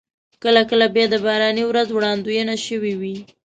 کله کله بیا د باراني ورځ وړاندوينه شوې وي.